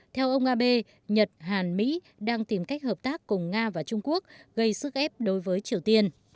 theo ông abe nhật hàn mỹ đang tìm cách hợp tác cùng nga và trung quốc gây sức ép đối với triều tiên